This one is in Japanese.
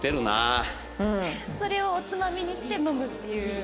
それをおつまみにして飲むっていう。